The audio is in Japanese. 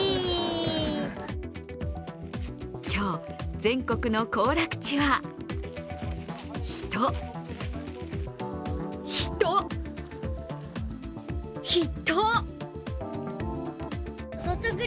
今日、全国の行楽地は人、人、人！